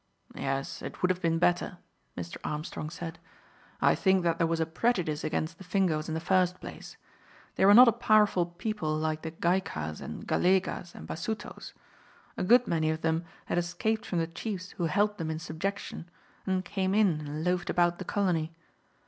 "Yes, it would have been better," Mr. Armstrong said. "I think that there was a prejudice against the Fingoes in the first place. They were not a powerful people like the Gaikas and Galegas and Basutos. A good many of them had escaped from the chiefs who held them in subjection, and came in and loafed about the colony.